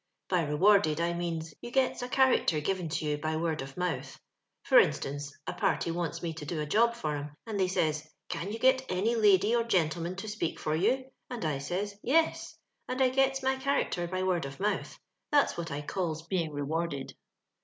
By rewarded, I means, >ou gets a character given to you by word of mouth. For instance, a party wants me to do a job for 'em, and they says, * Can you get any lady or gentleman to speak for you ?' And I says, * Yes ;* and I gets my cha racter by word of mouth— that's what I calls being rewarded.